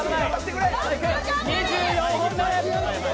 ２４本目！